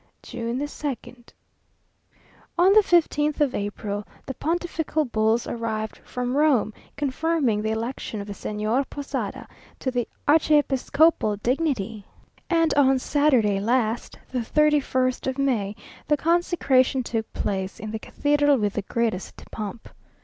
June 2nd. On the 15th of April, the pontifical bulls arrived from Rome, confirming the election of the Señor Posada to the Archiepiscopal dignity; and on Saturday last, the 31st of May, the consecration took place in the cathedral with the greatest pomp.